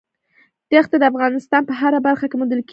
دښتې د افغانستان په هره برخه کې موندل کېږي.